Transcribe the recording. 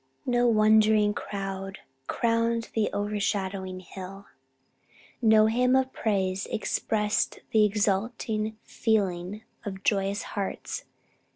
No wondering crowd crowned the overshadowing hill. No hymn of praise expressed the exulting feeling of joyous hearts.